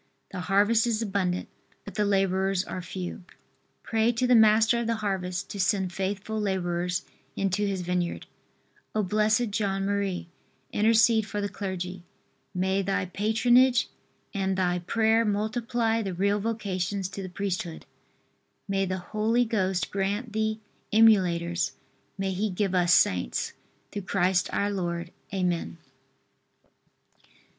The harvest is abundant, but the laborers are few. Pray to the Master of the harvest to send faithful laborers into His vineyard. O, Bl. John Marie! Intercede for the clergy. May thy patronage, and thy prayer multiply the real vocations to the priesthood. May the Holy Ghost grant thee emulators; may He give us Saints! Through Christ, our Lord. Amen.